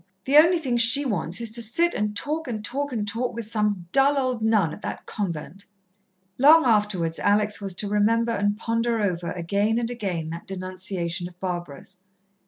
The only thing she wants is to sit and talk and talk and talk with some dull old nun at that convent!" Long afterwards Alex was to remember and ponder over again and again that denunciation of Barbara's.